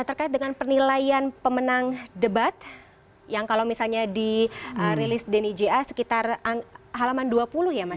terkait dengan penilaian pemenang debat yang kalau misalnya dirilis dnija sekitar halaman dua puluh ya mas